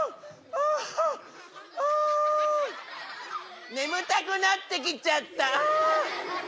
あ眠たくなってきちゃった。